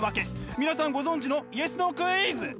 皆さんご存じのＹＥＳ・ＮＯクイズ！